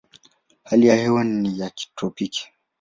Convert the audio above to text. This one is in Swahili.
Hali ya hewa ni ya kitropiki.